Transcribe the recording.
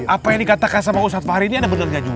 apa yang dikatakan sama ustadz fahri ini ada benar nggak juga